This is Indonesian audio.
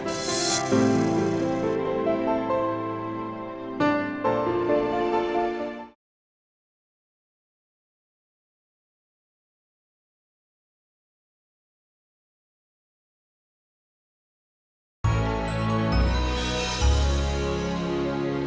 cepet pulih ya